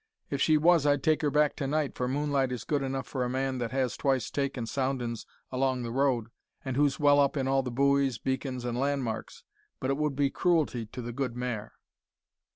If she was, I'd take her back to night, for moonlight is good enough for a man that has twice taken soundin's along the road, an' who's well up in all the buoys, beacons, an' landmarks, but it would be cruelty to the good mare."